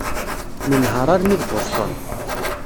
Nenheṛ armi d Boston.